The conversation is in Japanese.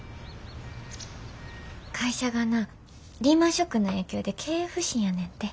会社がなリーマンショックの影響で経営不振やねんて。